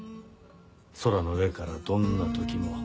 空の上からどんな時も。